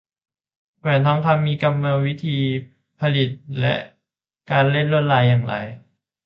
แหวนทองคำมีกรรมวิธีการผลิตและการเล่นลวดลายอย่างไร